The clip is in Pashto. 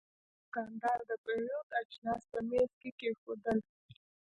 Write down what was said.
دا دوکاندار د پیرود اجناس په میز کې کېښودل.